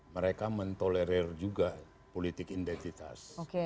mereka mentolerir juga politik identitas